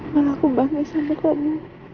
malah aku bangga sama kamu